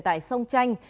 tại sông chanh